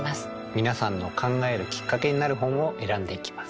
皆さんの考えるきっかけになる本を選んでいきます。